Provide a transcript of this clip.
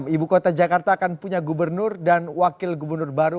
ibu kota jakarta akan punya gubernur dan wakil gubernur baru